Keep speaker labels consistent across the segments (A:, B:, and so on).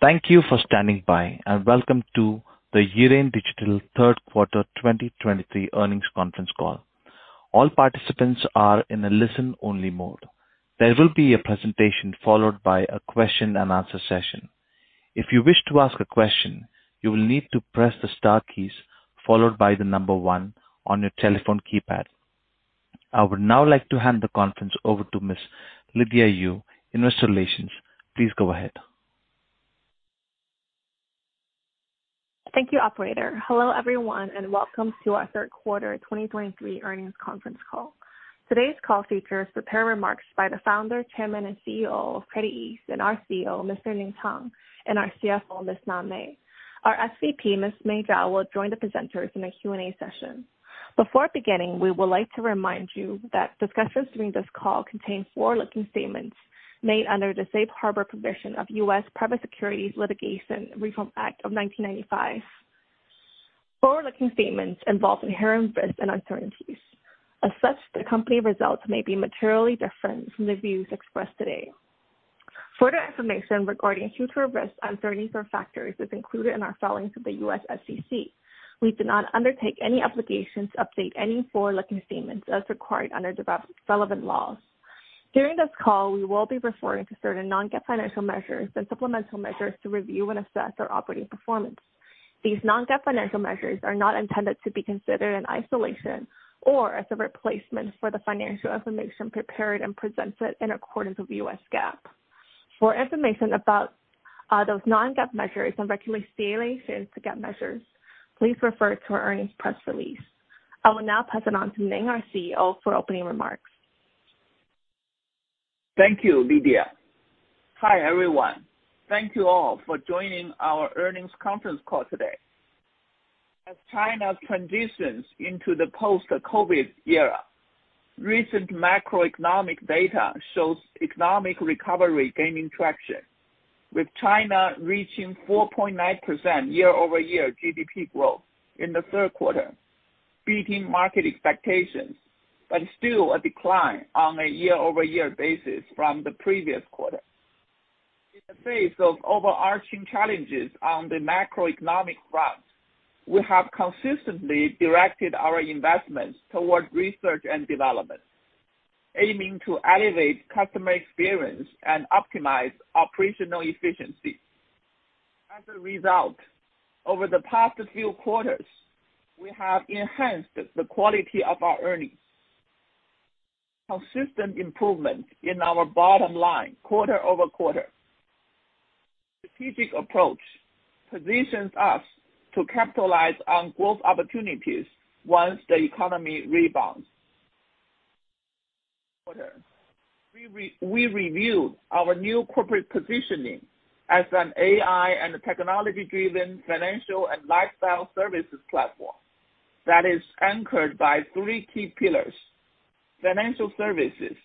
A: Thank you for standing by, and welcome to the Yiren Digital third quarter 2023 earnings conference call. All participants are in a listen-only mode. There will be a presentation followed by a question and answer session. If you wish to ask a question, you will need to press the star keys followed by the number one on your telephone keypad. I would now like to hand the conference over to Ms. Lydia Yu, Investor Relations. Please go ahead.
B: Thank you, operator. Hello, everyone, and welcome to our third quarter 2023 earnings conference call. Today's call features prepared remarks by the founder, chairman, and CEO of Yiren, and our CEO, Mr. Ning Tang, and our CFO, Ms. Na Mei. Our SVP, Ms. Mei Zhao, will join the presenters in the Q&A session. Before beginning, we would like to remind you that discussions during this call contain forward-looking statements made under the Safe Harbor provisions of the U.S. Private Securities Litigation Reform Act of 1995. Forward-looking statements involve inherent risks and uncertainties. As such, the company results may be materially different from the views expressed today. Further information regarding future risks, uncertainties, and factors is included in our filings with the SEC. We do not undertake any obligation to update any forward-looking statements as required under the relevant laws. During this call, we will be referring to certain non-GAAP financial measures and supplemental measures to review and assess our operating performance. These non-GAAP financial measures are not intended to be considered in isolation or as a replacement for the financial information prepared and presented in accordance with U.S. GAAP. For information about those non-GAAP measures and reconciliation to GAAP measures, please refer to our earnings press release. I will now pass it on to Ning, our CEO, for opening remarks.
C: Thank you, Lydia. Hi, everyone. Thank you all for joining our earnings conference call today. As China transitions into the post-COVID era, recent macroeconomic data shows economic recovery gaining traction, with China reaching 4.9% year-over-year GDP growth in the third quarter, beating market expectations, but still a decline on a year-over-year basis from the previous quarter. In the face of overarching challenges on the macroeconomic front, we have consistently directed our investments towards research and development, aiming to elevate customer experience and optimize operational efficiency. As a result, over the past few quarters, we have enhanced the quality of our earnings. Consistent improvement in our bottom line, quarter-over-quarter. Strategic approach positions us to capitalize on growth opportunities once the economy rebounds. We review our new corporate positioning as an AI and technology-driven financial and lifestyle services platform that is anchored by three key pillars: financial services,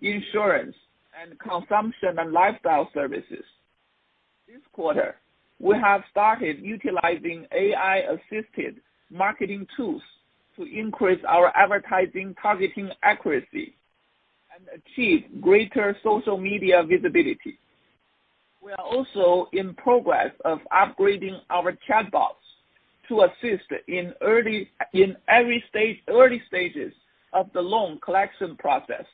C: insurance, and consumption and lifestyle services. This quarter, we have started utilizing AI-assisted marketing tools to increase our advertising targeting accuracy and achieve greater social media visibility. We are also in progress of upgrading our chatbots to assist in early stages of the loan collection process.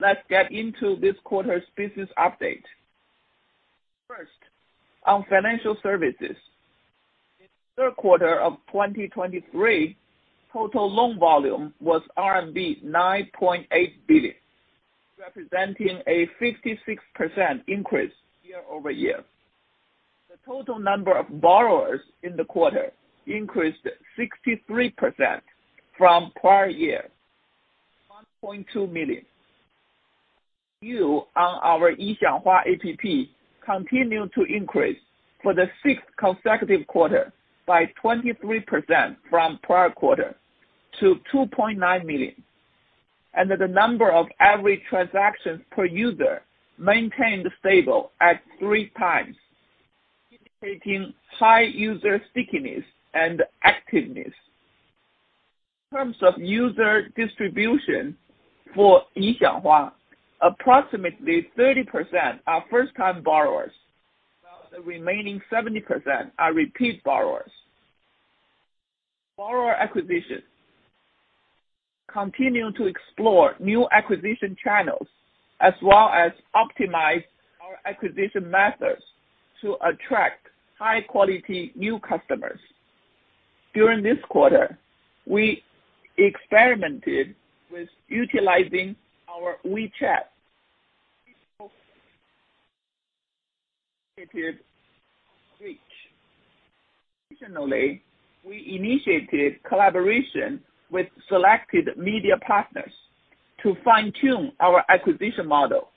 C: Let's get into this quarter's business update. First, on financial services. In the third quarter of 2023, total loan volume was RMB 9.8 billion, representing a 56% increase year-over-year. The total number of borrowers in the quarter increased 63% from prior year, 1.2 million. On our Yixianghua app, continued to increase for the sixth consecutive quarter by 23% from prior quarter to 2.9 million, and the number of average transactions per user maintained stable at 3x, indicating high user stickiness and activeness. In terms of user distribution for Yixianghua, approximately 30% are first-time borrowers, while the remaining 70% are repeat borrowers. Borrower acquisition. Continue to explore new acquisition channels, as well as optimize our acquisition methods to attract high-quality new customers. During this quarter, we experimented with utilizing our WeChat-initiated reach. Additionally, we initiated collaboration with selected media partners to fine-tune our acquisition model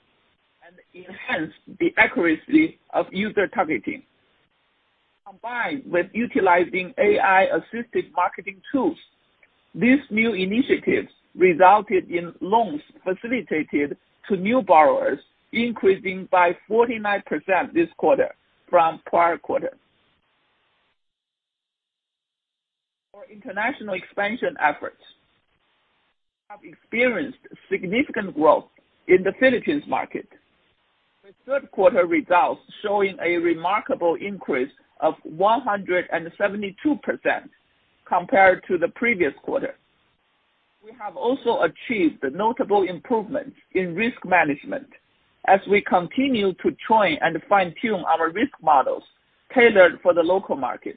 C: and enhance the accuracy of user targeting. Combined with utilizing AI-assisted marketing tools, these new initiatives resulted in loans facilitated to new borrowers, increasing by 49% this quarter from prior quarter. International expansion efforts have experienced significant growth in the Philippines market, with third quarter results showing a remarkable increase of 172% compared to the previous quarter. We have also achieved notable improvements in risk management as we continue to train and fine-tune our risk models tailored for the local market.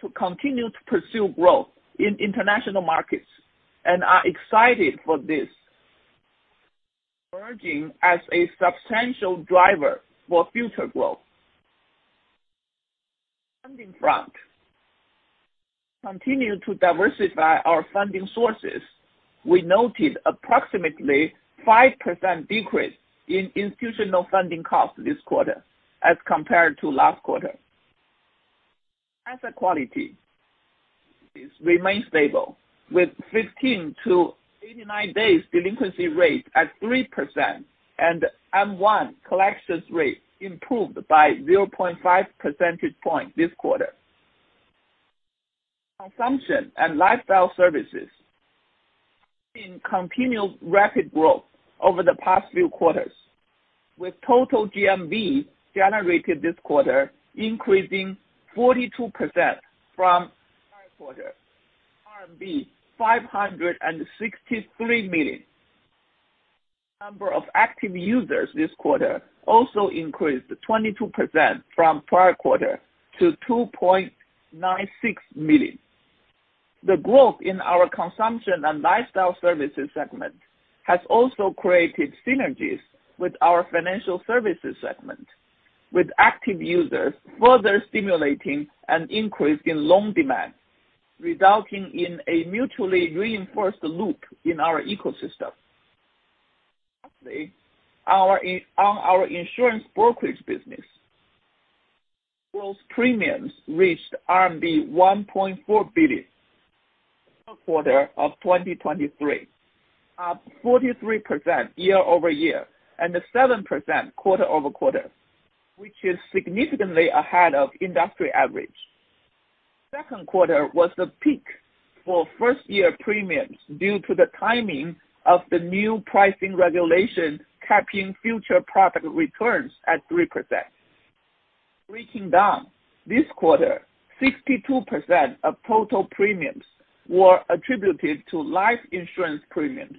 C: To continue to pursue growth in international markets, and are excited for this, emerging as a substantial driver for future growth. Funding front, continue to diversify our funding sources. We noted approximately 5% decrease in institutional funding costs this quarter as compared to last quarter. Asset quality remains stable, with 15-89 days delinquency rate at 3% and M1 Collections Rate improved by 0.5 percentage point this quarter. Consumption and lifestyle services in continual rapid growth over the past few quarters, with total GMV generated this quarter increasing 42% from last quarter, RMB 563 million. Number of active users this quarter also increased 22% from prior quarter to 2.96 million. The growth in our consumption and lifestyle services segment has also created synergies with our financial services segment, with active users further stimulating an increase in loan demand, resulting in a mutually reinforced loop in our ecosystem. Lastly, on our insurance brokerage business, those premiums reached RMB 1.4 billion, quarter of 2023, up 43% year-over-year and 7% quarter-over-quarter, which is significantly ahead of industry average. Second quarter was the peak for first year premiums due to the timing of the new pricing regulation, capping future product returns at 3%. Breaking down, this quarter, 62% of total premiums were attributed to life insurance premiums,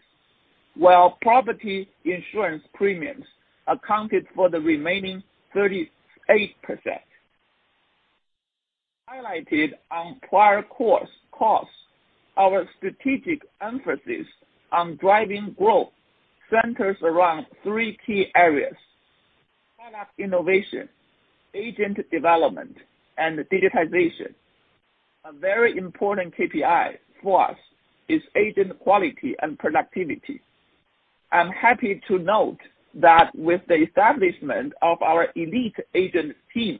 C: while property insurance premiums accounted for the remaining 38%. Highlighted on prior conference calls, our strategic emphasis on driving growth centers around three key areas: product innovation, agent development, and digitization. A very important KPI for us is agent quality and productivity. I'm happy to note that with the establishment of our elite agent team,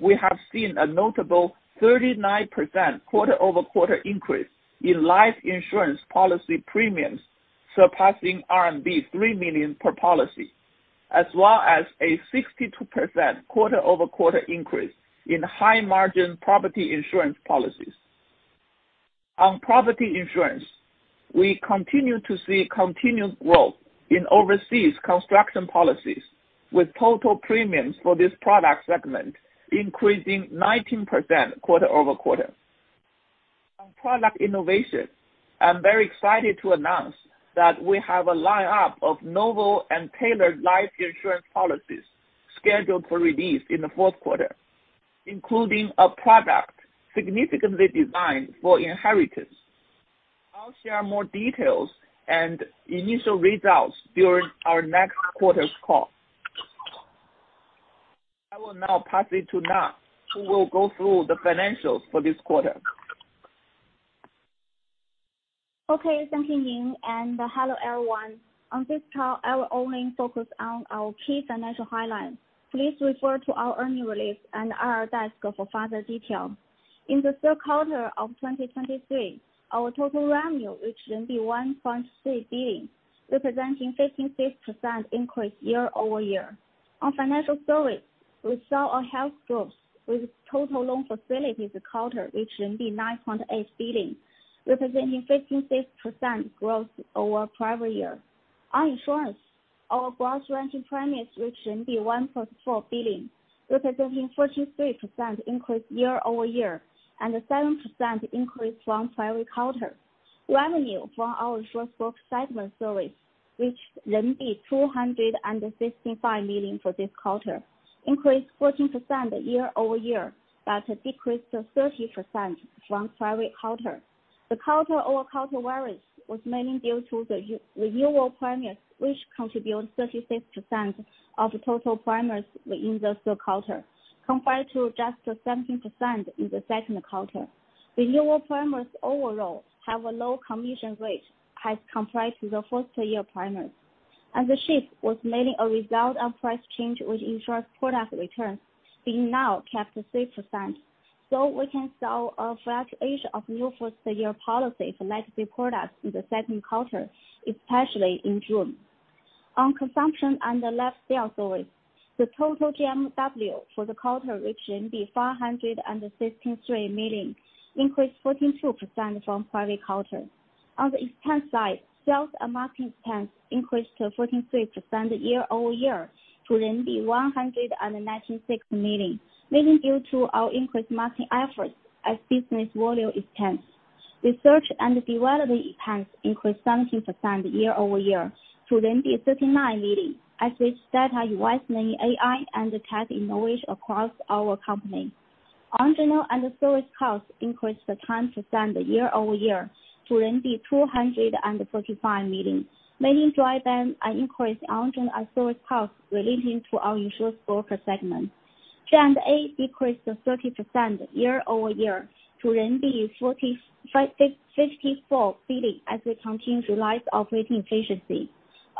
C: we have seen a notable 39% quarter-over-quarter increase in life insurance policy premiums, surpassing RMB 3 million per policy, as well as a 62% quarter-over-quarter increase in high-margin property insurance policies. On property insurance, we continue to see continued growth in overseas construction policies, with total premiums for this product segment increasing 19% quarter-over-quarter. On product innovation, I'm very excited to announce that we have a lineup of novel and tailored life insurance policies scheduled for release in the fourth quarter, including a product significantly designed for inheritance. I'll share more details and initial results during our next quarter's call. I will now pass it to Na, who will go through the financials for this quarter.
D: Okay, thank you, Ning, and hello, everyone. On this call, I will only focus on our key financial highlights. Please refer to our earnings release and our deck for further detail. In the third quarter of 2023, our total revenue reached 1.3 billion, representing 56% increase year-over-year. On financial service, we saw our healthy growth with total loan facilitation quarter reached 9.8 billion, representing 56% growth over prior year. On insurance, our gross written premium reached 1.4 billion, representing 43% increase year-over-year, and a 7% increase from prior quarter. Revenue from our insurance brokerage segment service reached renminbi 265 million for this quarter, increased 14% year-over-year, but a decrease to 30% from prior quarter. The quarter-over-quarter variance was mainly due to the renewal premium, which contributes 36% of the total premium in the third quarter, compared to just 17% in the second quarter. Renewal premium overall have a low commission rate as compared to the first year premium, and the shift was mainly a result of price change, which ensures product return being now capped to 6%. So we can sell a fluctuation of new first year policy for legacy products in the second quarter, especially in June. On consumption and lifestyle sales growth, the total GMV for the quarter reached 563 million, increased 42% from prior quarter. On the expense side, sales and marketing expense increased 43% year-over-year to RMB 196 million, mainly due to our increased marketing efforts as business volume expands. Research and development expense increased 17% year-over-year to RMB 39 million, as we invest in many AI and tech innovations across our company. Origination and servicing costs increased 10% year-over-year to 235 million, mainly driven by an increase in origination and servicing costs relating to our insurance broker segment. G&A decreased 30% year-over-year to 45.4 million as we continue to realize operating efficiency.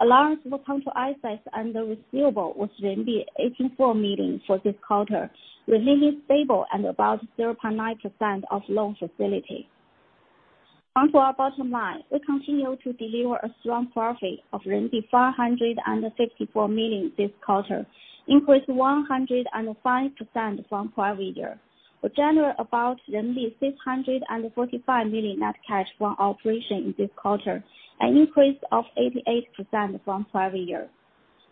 D: Allowance for credit losses on receivables was 84 million for this quarter, remaining stable and about 0.9% of loan facilitation. On to our bottom line, we continue to deliver a strong profit of RMB 564 million this quarter, increased 105% from prior year. We generate about 645 million net cash from operation in this quarter, an increase of 88% from prior year.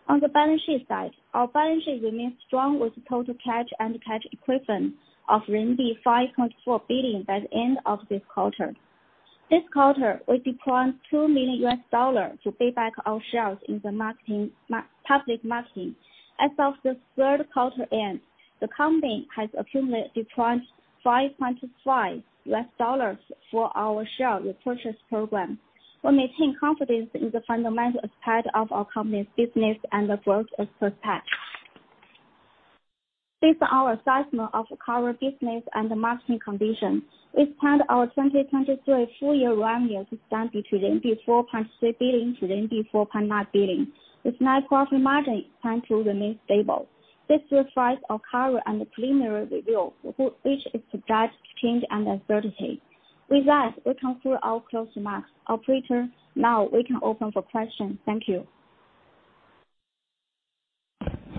D: On the balance sheet side, our balance sheet remains strong, with total cash and cash equivalent of RMB 5.4 billion by the end of this quarter. This quarter, we deployed $2 million to pay back our shares in the market, public market. As of the third quarter end, the company has accumulated deployed $5.5 million for our share repurchase program. We maintain confidence in the fundamental strength of our company's business and the growth of prospects. Based on our assessment of current business and the marketing conditions, we planned our 2023 full year revenue to stand between 4.3 billion-4.9 billion, with net profit margin planned to remain stable. This reflects our current and preliminary review, which is subject to change and uncertainty. With that, we conclude our close remarks. Operator, now we can open for questions. Thank you.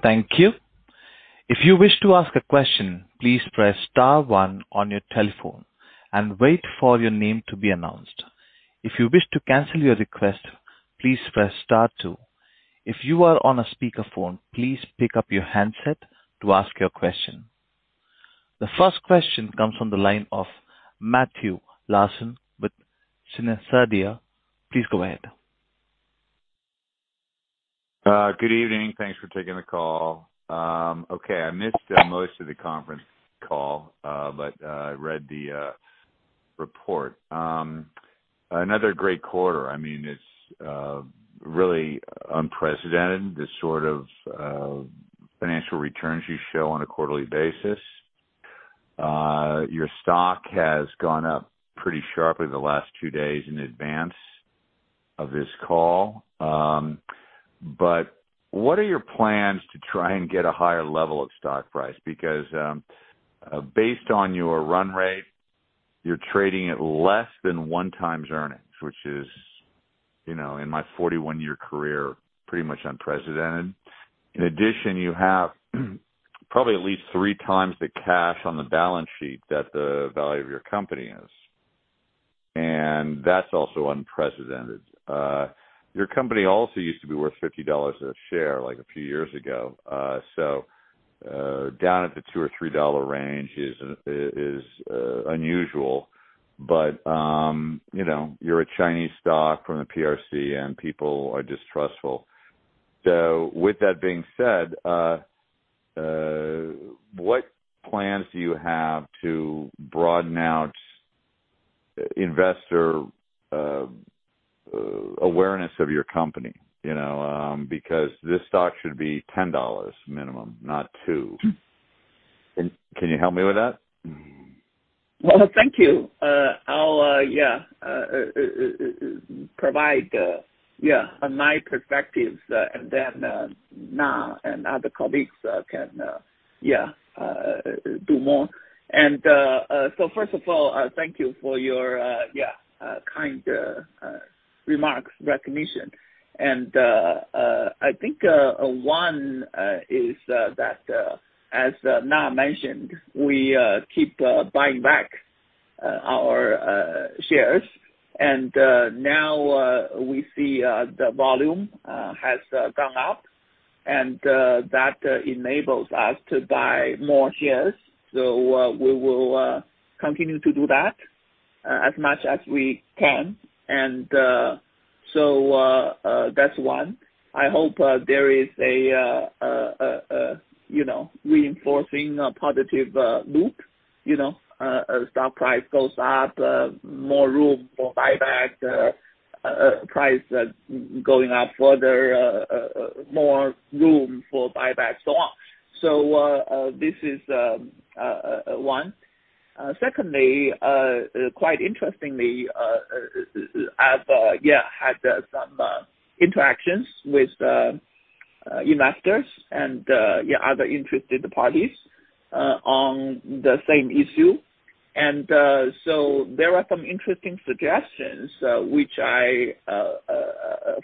A: Thank you. If you wish to ask a question, please press star one on your telephone and wait for your name to be announced. If you wish to cancel your request, please press star two. If you are on a speakerphone, please pick up your handset to ask your question. The first question comes from the line of Matthew Larson with Fincadia. Please go ahead.
E: Good evening. Thanks for taking the call. Okay, I missed most of the conference call, but I read the report. Another great quarter. I mean, it's really unprecedented, this sort of financial returns you show on a quarterly basis. Your stock has gone up pretty sharply the last two days in advance of this call. But what are your plans to try and get a higher level of stock price? Because, based on your run rate, you're trading at less than 1x earnings, which is, you know, in my 41-year career, pretty much unprecedented. In addition, you have probably at least 3 times the cash on the balance sheet that the value of your company is, and that's also unprecedented. Your company also used to be worth $50 a share, like, a few years ago. So, down at the $2 or $3 range is, is, unusual. But, you know, you're a Chinese stock from the PRC, and people are distrustful. So with that being said, what plans do you have to broaden out investor, awareness of your company? You know, because this stock should be $10 minimum, not $2. Can you help me with that?
C: Well, thank you. I'll provide my perspectives, and then Na and other colleagues can do more. And so first of all, thank you for your kind remarks, recognition. And I think one is that, as Na mentioned, we keep buying back our shares. And now we see the volume has gone up, and that enables us to buy more shares. So we will continue to do that as much as we can. And so that's one. I hope there is a, you know, reinforcing positive loop. You know, a stock price goes up, more room for buyback, price going up further, more room for buyback, so on. So, this is one. Secondly, quite interestingly, I've yeah had some interactions with investors and, yeah, other interested parties on the same issue. So there are some interesting suggestions, which I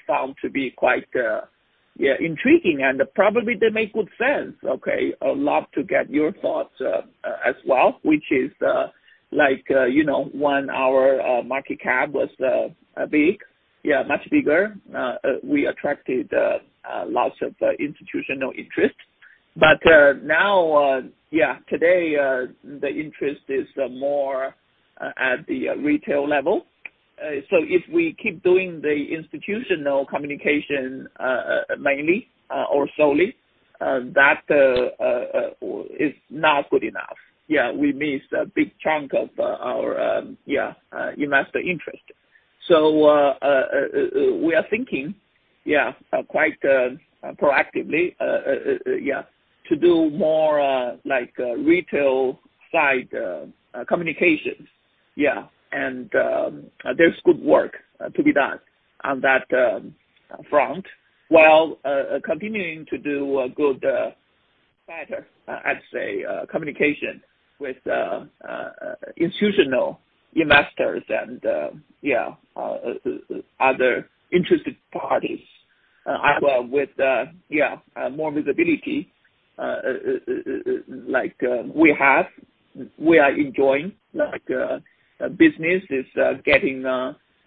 C: found to be quite, yeah, intriguing, and probably they make good sense, okay? I'd love to get your thoughts, as well, which is, like, you know, when our market cap was big, yeah, much bigger, we attracted lots of institutional interest. But, now, yeah, today, the interest is more at the retail level. So if we keep doing the institutional communication, mainly, or solely, that is not good enough. Yeah, we missed a big chunk of our, yeah, investor interest. So, we are thinking, yeah, quite proactively, yeah, to do more, like, retail side communications. Yeah. And, there's good work to be done on that front, while continuing to do a good, better, I'd say, communication with institutional investors and, yeah, other interested parties, as well, with, yeah, more visibility. Like, we have, we are enjoying, like business is getting,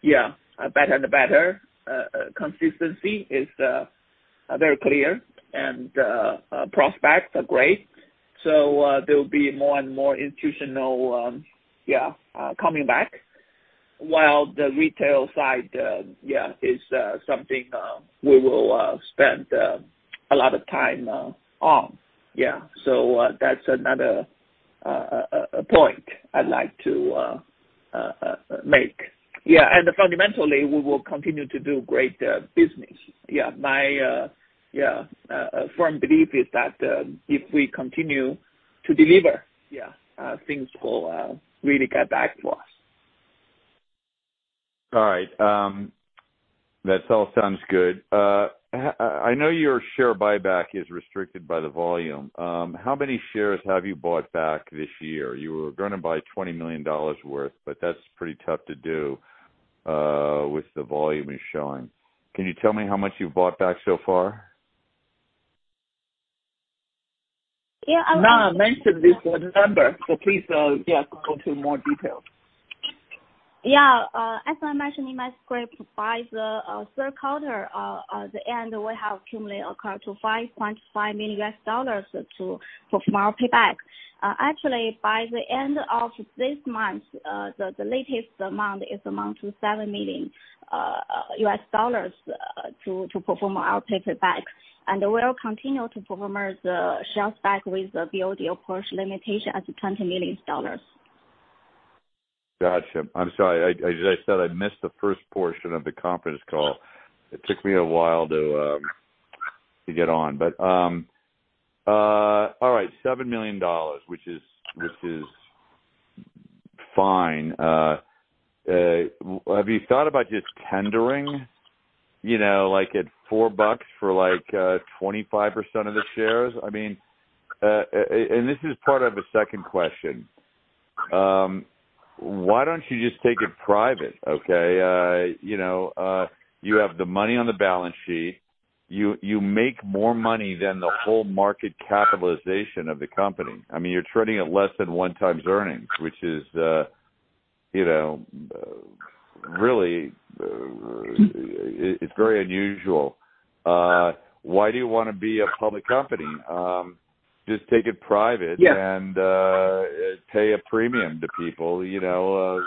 C: yeah, better and better. Consistency is very clear, and prospects are great, so, there will be more and more institutional, yeah, coming back, while the retail side, yeah, is something we will spend a lot of time on. Yeah. So, that's another point I'd like to make. Yeah, and fundamentally, we will continue to do great business. Yeah. My, yeah, firm belief is that, if we continue to deliver, yeah, things will really get back to us.
E: All right. That all sounds good. I know your share buyback is restricted by the volume. How many shares have you bought back this year? You were going to buy $20 million worth, but that's pretty tough to do, with the volume you're showing. Can you tell me how much you've bought back so far?
D: Yeah, I-
C: Na mentioned this number, so please, yeah, go through more details.
D: Yeah. As I mentioned in my script, by the third quarter, the end, we have cumulatively occurred to $5.5 million for more payback. Actually, by the end of this month, the latest amount amounts to $7 million to perform our payback. And we'll continue to perform our, the shares back with the board approved limitation at $20 million.
E: Gotcha. I'm sorry, as I said, I missed the first portion of the conference call. It took me a while to get on. But, all right, $7 million which is, which is fine. Have you thought about just tendering, you know, like, at $4 for, like, 25% of the shares? I mean, and this is part of a second question. Why don't you just take it private, okay? You know, you have the money on the balance sheet. You make more money than the whole market capitalization of the company. I mean, you're trading at less than 1x earnings, which is, you know, really, it's very unusual. Why do you want to be a public company? Just take it private-
C: Yeah.
E: - and, pay a premium to people, you know,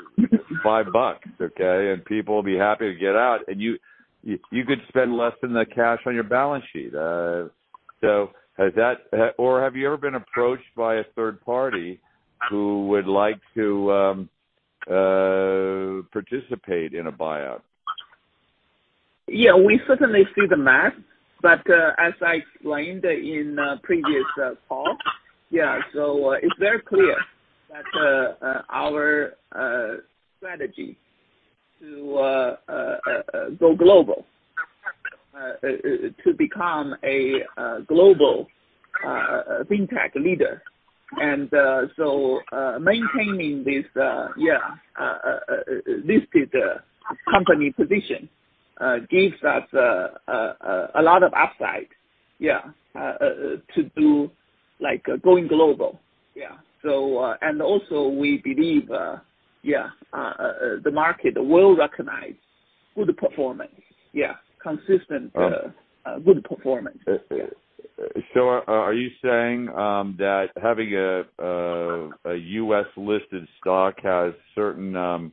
E: $5, okay? And people will be happy to get out. And you could spend less than the cash on your balance sheet. So has that... Or have you ever been approached by a third party who would like to participate in a buyout?
C: Yeah, we certainly see the math, but, as I explained in a previous call, yeah, so it's very clear that our strategy to go global to become a global fintech leader. And, so, maintaining this, yeah, listed company position gives us a lot of upside, yeah, to do, like, going global. Yeah. So, and also we believe, yeah, the market will recognize good performance. Yeah, consistent good performance.
E: So, are you saying that having a U.S.-listed stock has certain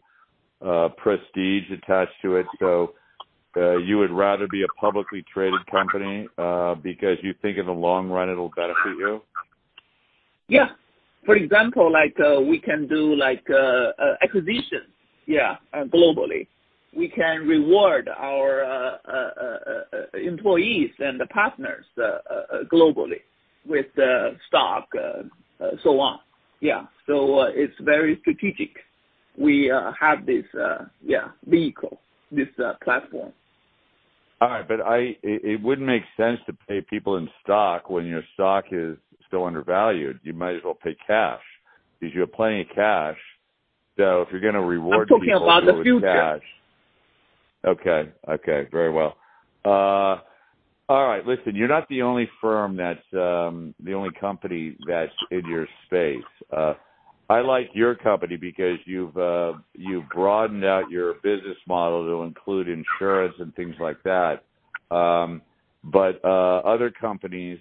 E: prestige attached to it, so you would rather be a publicly traded company because you think in the long run it'll benefit you?
C: Yeah. For example, like, we can do like, acquisition, yeah, globally. We can reward our employees and the partners, globally with the stock, so on. Yeah. So, it's very strategic. We have this, yeah, vehicle, this platform.
E: All right, but it wouldn't make sense to pay people in stock when your stock is still undervalued. You might as well pay cash, because you have plenty of cash. So if you're gonna reward people-
C: I'm talking about the future.
E: Okay. Okay, very well. All right. Listen, you're not the only company that's in your space. I like your company because you've broadened out your business model to include insurance and things like that. But, other companies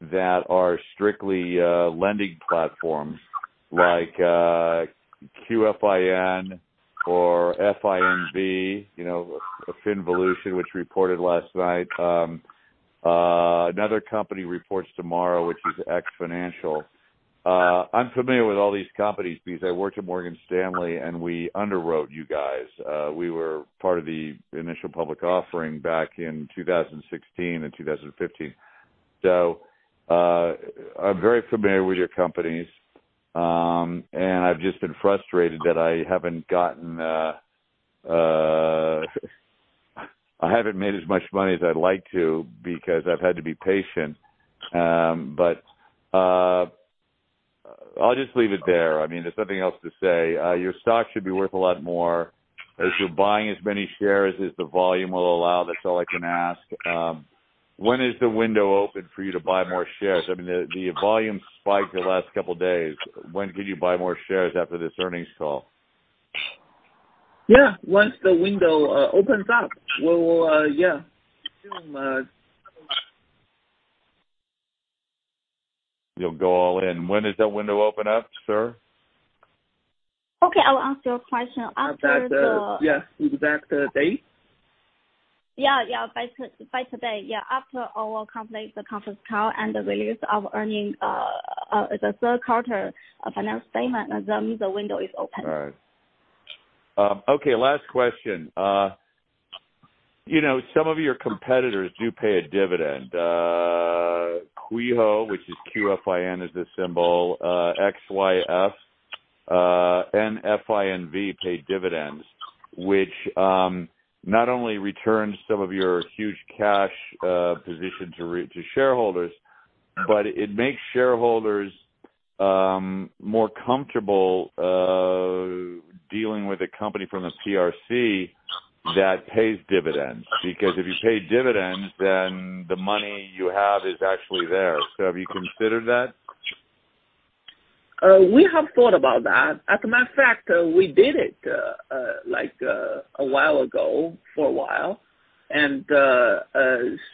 E: that are strictly lending platforms like QFIN or FINV, you know, FinVolution, which reported last night. Another company reports tomorrow, which is X Financial. I'm familiar with all these companies because I worked at Morgan Stanley and we underwrote you guys. We were part of the initial public offering back in 2016 and 2015. So, I'm very familiar with your companies, and I've just been frustrated that I haven't made as much money as I'd like to because I've had to be patient. But, I'll just leave it there. I mean, there's nothing else to say. Your stock should be worth a lot more. As you're buying as many shares as the volume will allow, that's all I can ask. When is the window open for you to buy more shares? I mean, the volume spiked the last couple days. When can you buy more shares after this earnings call?
C: Yeah. Once the window opens up, we will, yeah, soon.
E: You'll go all in. When does that window open up, sir?
D: Okay, I'll answer your question. After the-
C: Yes, the exact date?
D: Yeah, yeah, by today. Yeah. After our complete the conference call and the release of earnings, the third quarter financial statement, then the window is open.
E: All right. Okay, last question. You know, some of your competitors do pay a dividend, Qifu, which is QFIN, is the symbol, XYF, and FINV pay dividends, which, not only returns some of your huge cash position to return to shareholders, but it makes shareholders more comfortable dealing with a company from the PRC that pays dividends. Because if you pay dividends, then the money you have is actually there. So have you considered that?
C: We have thought about that. As a matter of fact, we did it, like, a while ago for a while.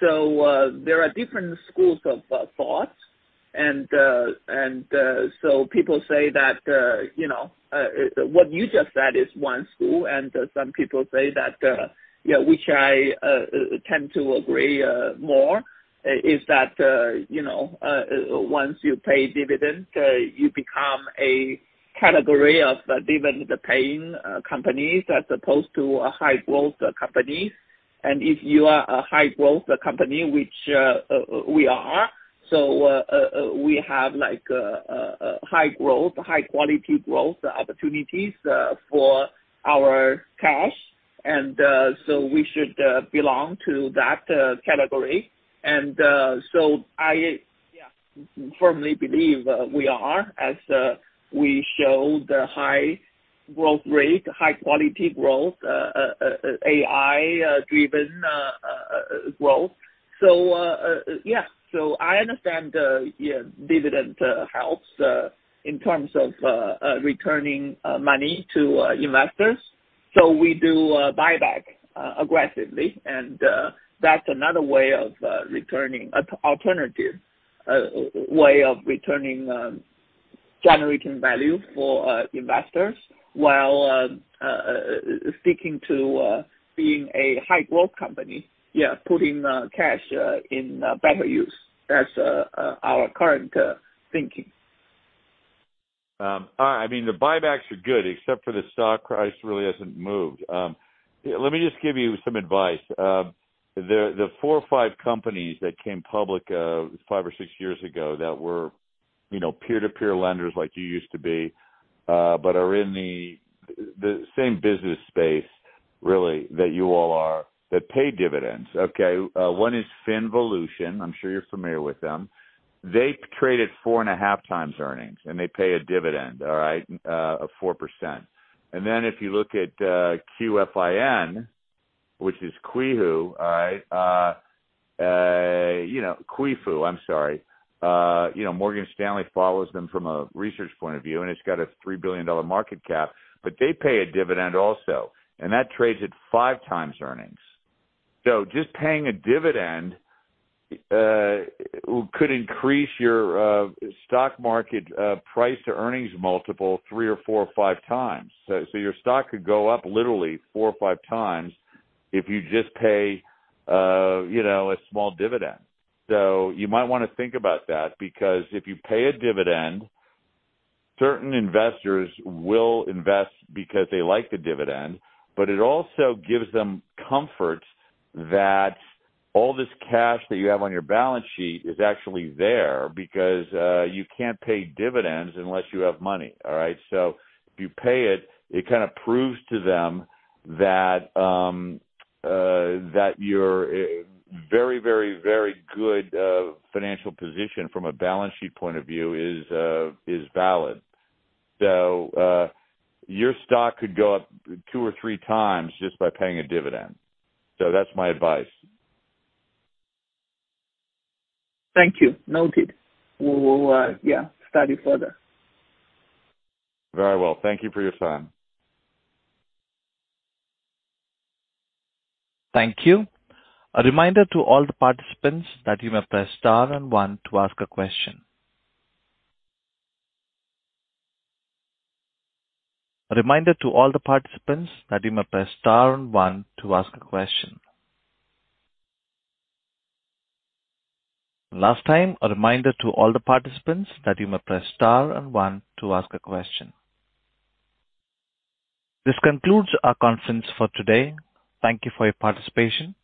C: So, there are different schools of thought, and so people say that, you know, what you just said is one school, and some people say that, yeah, which I tend to agree more, is that, you know, once you pay dividends, you become a category of dividend-paying companies as opposed to a high growth company. And if you are a high growth company, which we are, so we have like, high growth, high quality growth opportunities for our cash, and so we should belong to that category. So I, yeah, firmly believe we are, as we show the high growth rate, high quality growth, AI driven growth. So, yeah. So I understand, yeah, dividend helps in terms of returning money to investors. So we do buyback aggressively, and that's another way of returning, a alternative way of returning, generating value for investors, while sticking to being a high growth company. Yeah, putting cash in better use. That's our current thinking.
E: I mean, the buybacks are good, except for the stock price really hasn't moved. Let me just give you some advice. The four or five companies that came public five or six years ago that were, you know, peer-to-peer lenders like you used to be but are in the same business space really that you all are that pay dividends, okay? One is FinVolution. I'm sure you're familiar with them. They traded 4.5x earnings, and they pay a dividend, all right, of 4%. Then if you look at QFIN, which is Qifu, all right, you know, I'm sorry, you know, Morgan Stanley follows them from a research point of view, and it's got a $3 billion market cap, but they pay a dividend also, and that trades at 5x earnings. So just paying a dividend could increase your stock market price to earnings multiple three or four or five times. So your stock could go up literally four or five times if you just pay, you know, a small dividend. So you might want to think about that, because if you pay a dividend, certain investors will invest because they like the dividend, but it also gives them comfort that all this cash that you have on your balance sheet is actually there, because you can't pay dividends unless you have money, all right? So if you pay it, it kind of proves to them that your very, very, very good financial position from a balance sheet point of view is valid. So your stock could go up two or three times just by paying a dividend. So that's my advice.
C: Thank you. Noted. We will study further.
E: Very well. Thank you for your time.
A: Thank you. A reminder to all the participants that you may press star and one to ask a question. A reminder to all the participants that you may press star and one to ask a question. Last time, a reminder to all the participants that you may press star and one to ask a question. This concludes our conference for today. Thank you for your participation.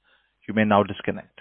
A: You may now disconnect.